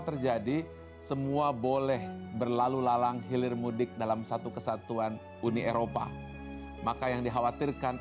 terjadi semua boleh berlalu lalang hilir mudik dalam satu kesatuan uni eropa maka yang dikhawatirkan